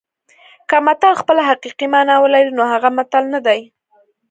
که متل خپله حقیقي مانا ولري نو هغه متل نه دی